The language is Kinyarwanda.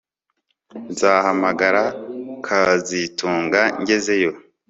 Nzahamagara kazitunga ngezeyo